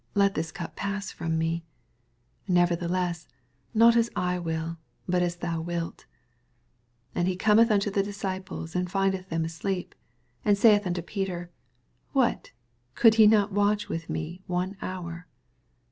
let this cnp pass from me : nevertheless not as I will, hut as thou wiU,' 40 And he cometh unto the disciples, and flndeth them asleep, and saith unto Peter, What, could ye not watch with me one hour